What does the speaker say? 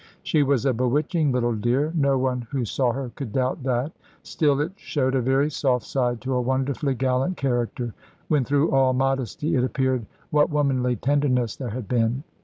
She was a bewitching little dear; no one who saw her could doubt that; still it showed a very soft side to a wonderfully gallant character, when through all modesty it appeared what womanly tenderness there had been.